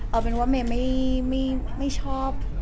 เอาเป็นว่าเมย์ไม่ชอบ